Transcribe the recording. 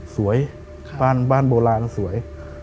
สวยบ้านโบราณสวย